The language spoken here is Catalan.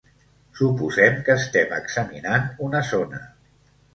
Suposem que estem examinant una zona.